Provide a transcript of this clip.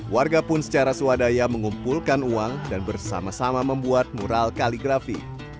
warga pun secara swadaya mengumpulkan uang dan bersama sama membuat mural kaligrafi